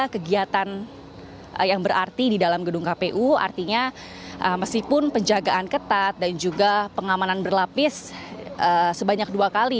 kegiatan yang berarti di dalam gedung kpu artinya meskipun penjagaan ketat dan juga pengamanan berlapis sebanyak dua kali